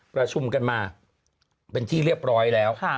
ประชุมกันมาเป็นที่เรียบร้อยแล้ว